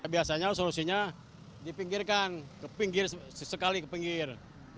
biasanya solusinya dipinggirkan sesekali ke pinggir